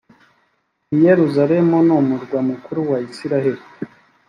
i yerusalemu numurwa mukuru wa isiraheli.